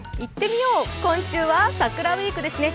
今週は桜ウィークですね。